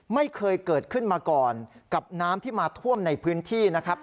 ไม่เคยเกิดขึ้นมาก่อนกับน้ำที่มาท่วมในพื้นที่นะครับ